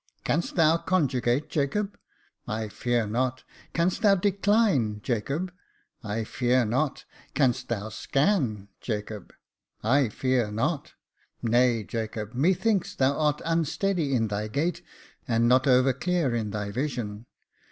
Canst thou conjugate, Jacob? I fear not. Canst thou decline, Jacob ? I fear not. Canst thou scan, Jacob ? I fear not. Nay, Jacob, methinks that thou art unsteady in thy gait, and not over clear in thy vision.